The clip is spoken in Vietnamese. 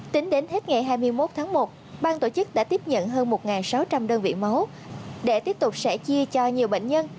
tính đến hết ngày hai mươi một tháng một bang tổ chức đã tiếp nhận hơn một sáu trăm linh đơn vị máu để tiếp tục sẽ chia cho nhiều bệnh nhân